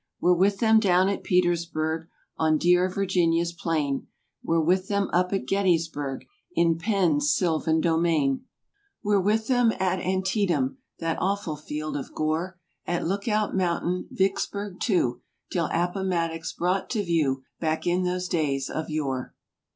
We're with them down at Petersburg, On dear Virginia's plain; We're with them up at Gettysburg, In Penn's sylvan domain ; i6o We're with them at Antietam— That awful field of gore! At Lookout Mountain—Vicksburg, too— 'Till Appomattox's brought to view, Back in those days of yore.